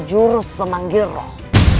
jurus pemanggil roh